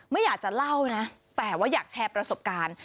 ไม่อยากจะเล่านะแต่ว่าอยากแชร์ประสบการณ์